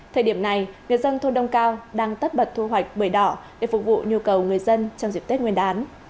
thời điểm này người dân thôn đông cao đang tất bật thu hoạch bưởi đỏ để phục vụ nhu cầu người dân trong dịp tết nguyên đán